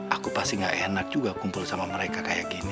aku pasti gak enak juga kumpul sama mereka kayak gini